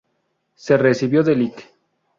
Se recibió de Lic.